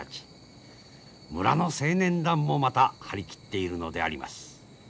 村の青年団もまた張り切っているのであります。